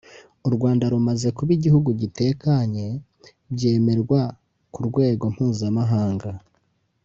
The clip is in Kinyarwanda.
u Rwanda rumaze kuba igihugu gitekanye byemerwa no ku rwego mpuzamahanga